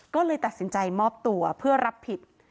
ก็เลยตัดสินใจมอบตัวเพื่อรับผิด